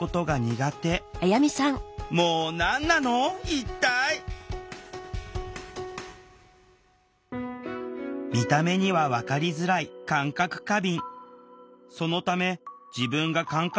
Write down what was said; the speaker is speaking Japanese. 一体見た目には分かりづらい感覚過敏。